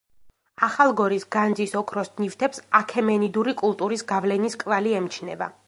ახალგორის განძის ოქროს ნივთებს აქემენიდური კულტურის გავლენის კვალი ემჩნევა.